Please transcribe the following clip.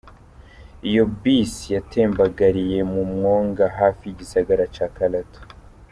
Iyo bus yatembagariye mu mwonga hafi y'igisagara ca Karatu.